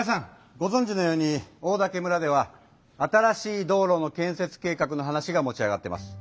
ごぞんじのようにオオダケ村では新しい道路の建設計画の話が持ち上がってます。